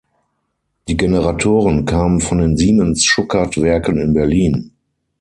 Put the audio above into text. Die Generatoren kamen von den Siemens-Schuckert-Werken in Berlin.